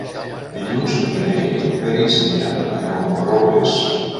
Dilluns na Mireia i en Peris aniran a Camporrobles.